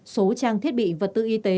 số trang thiết bị vật tư y tế